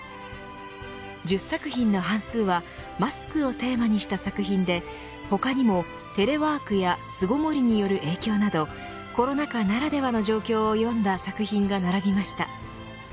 １０作品の半数はマスクをテーマにした作品で他にもテレワークや巣ごもりによる影響などコロナ禍ならではの状況を詠んだ作品が並びました。